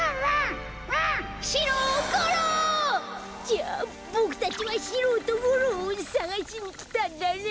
じゃあボクたちはシローとゴローをさがしにきたんだね？